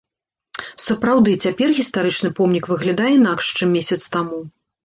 Сапраўды, цяпер гістарычны помнік выглядае інакш, чым месяц таму.